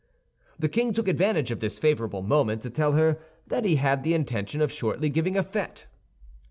The king took advantage of this favorable moment to tell her that he had the intention of shortly giving a fête.